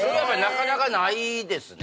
なかなかないですね